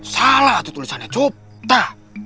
salah tuh tulisannya copta